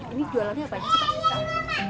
ini jualannya apa